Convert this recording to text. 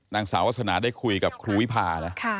นางสาววาสนาได้คุยกับครูวิพานะ